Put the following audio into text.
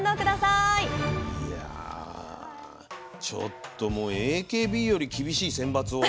いやちょっともうＡＫＢより厳しい選抜を。